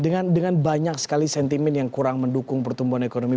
dan dengan banyak sekali sentimen yang kurang mendukung pertumbuhan ekonomi